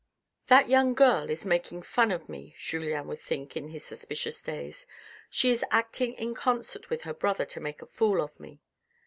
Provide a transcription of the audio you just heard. " That young girl is making fun of me," Julien would think in his suspicious days. "She is acting in concert with her brother to make a fool of me.